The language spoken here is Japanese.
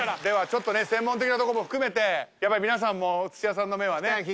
ではちょっとね専門的なとこも含めてやっぱり皆さんも土屋さんの目はね。